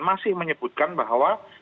masih menyebutkan bahwa